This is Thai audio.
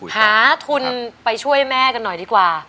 หาทุนไปช่วยแม่กันหน่อยดีกว่า